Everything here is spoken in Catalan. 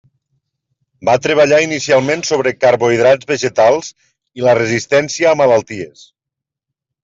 Va treballar inicialment sobre carbohidrats vegetals i la resistència a malalties.